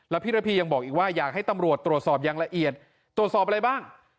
พี่ระพียังบอกอีกว่าอยากให้ตำรวจตรวจสอบอย่างละเอียดตรวจสอบอะไรบ้าง